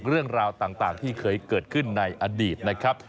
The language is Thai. เรื่องราวต่างที่เคยเกิดขึ้นในอดีตนะครับ